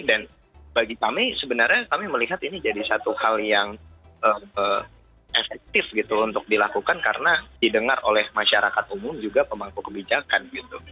dan bagi kami sebenarnya kami melihat ini jadi satu hal yang efektif gitu untuk dilakukan karena didengar oleh masyarakat umum juga pemangku kebijakan gitu